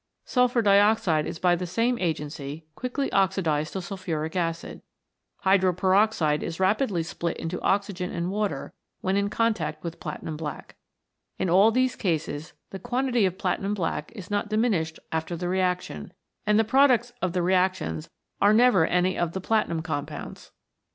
Sulphur dioxide is by the same agency quickly oxidised to sulphuric acid. Hydroperoxide is rapidly split into oxygen and water when in contact with platinum black. In all these cases the quantity of platinum black is not diminished after the reaction, and the products of the reactions are never any of the platinum compounds.